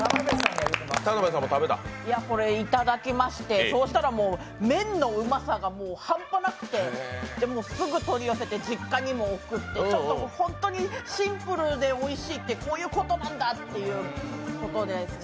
これいただきまして、そうしたら麺のうまさが半端なくて、すぐ取り寄せて実家にも送ってちょっと本当にシンプルでおいしいってこういうことなんだということですね。